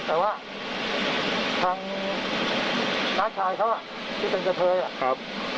แต่ว่าทางน้าชายเขาอ่ะที่เป็นกะเทยอ่ะครับ